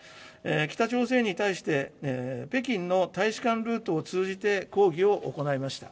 北朝鮮に対して、北京の大使館ルートを通じて抗議を行いました。